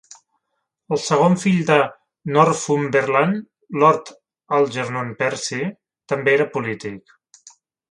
El segon fill de Northumberland, Lord Algernon Percy, també era polític.